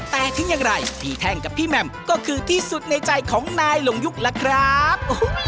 แต่ถึงอย่างไรพี่แท่งกับพี่แหม่มก็คือที่สุดในใจของนายหลงยุคล่ะครับ